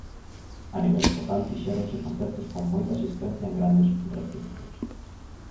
A nivel estatal fixéronse concertos con moita asistencia en grandes recintos.